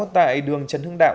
tại đường trần hưng đạo